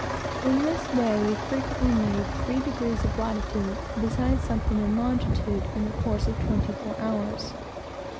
In this way, we frequently made three degrees of latitude, besides something in longitude, in the course of twenty four hours.